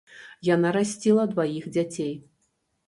Яна расціла дваіх дзяцей.